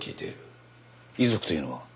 遺族というのは？